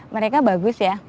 mereka bagus ya